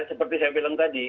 seperti saya bilang tadi